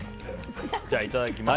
じゃあ、いただきます。